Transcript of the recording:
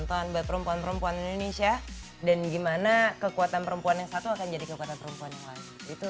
delapan tahun buat perempuan perempuan indonesia dan gimana kekuatan perempuan yang satu akan jadi kekuatan perempuan yang lain itu